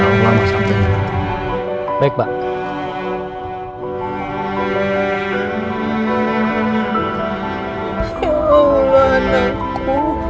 ya allah anakku